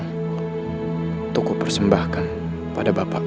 untuk ku persembahkan pada bapakku